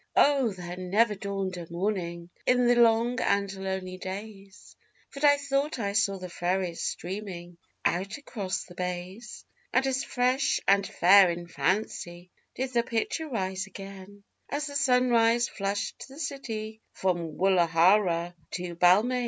Oh, there never dawned a morning, in the long and lonely days, But I thought I saw the ferries streaming out across the bays And as fresh and fair in fancy did the picture rise again As the sunrise flushed the city from Woollahra to Balmain.